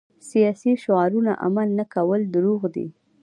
سیاسي شعارونه عمل نه کول دروغ دي.